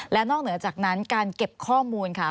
และนอกเหนือจากนั้นการเก็บข้อมูลค่ะ